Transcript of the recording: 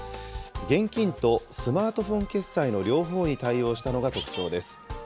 現金とスマートフォン決済の両方に対応したのが特徴です。